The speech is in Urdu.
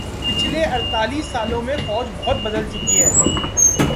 پچھلے اڑتالیس سالوں میں فوج بہت بدل چکی ہے